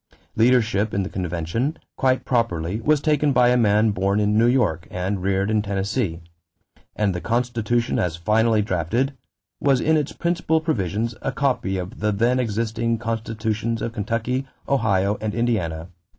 Leadership in the convention, quite properly, was taken by a man born in New York and reared in Tennessee; and the constitution as finally drafted "was in its principal provisions a copy of the then existing constitutions of Kentucky, Ohio, and Indiana....